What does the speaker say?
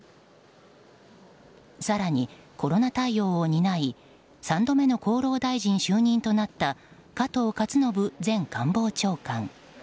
更にコロナ対応を担い３度目の厚労大臣就任となった加藤勝信前官房長官。